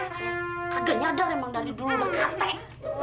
ya kaget nyadar emang dari dulu mbak katek